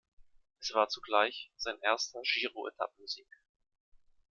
Es war zugleich sein erster Giro-Etappensieg.